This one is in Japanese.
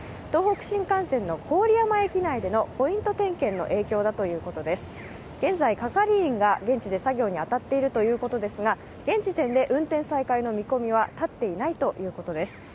東北新幹線の郡山駅内でのポイント点検の影響だと言うことです、現在、係員が現地で作業に当たっているということですが、現時点で運転再開の見込みは立っていないということです。